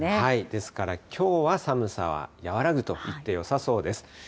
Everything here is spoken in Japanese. ですからきょうは寒さは和らぐと言ってよさそうです。